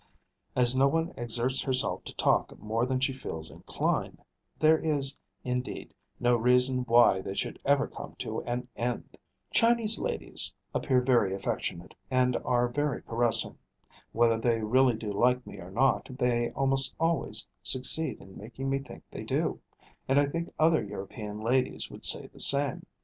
As no one exerts herself to talk more than she feels inclined, there is, indeed, no reason why they should ever come to an end. [Illustration: COUNTRY HOUSE NEAR KIUKIANG.] Chinese ladies appear very affectionate, and are very caressing. Whether they really do like me or not, they almost always succeed in making me think they do; and I think other European ladies would say the same.